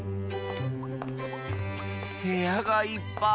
へやがいっぱい！